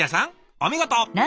お見事！